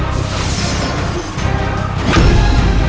aku sudah menemukan siliwangi